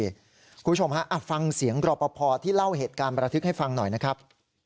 คุณผู้ชมฮะฟังเสียงรอปภที่เล่าเหตุการณ์ประทึกให้ฟังหน่อยนะครับ